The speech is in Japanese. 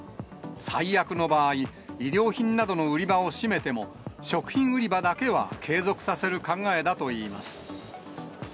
最悪の場合、衣料品などの売り場を閉めても、食品売り場だけは継続させる考えだといいます。